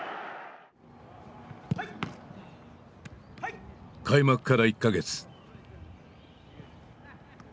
開幕から１か月。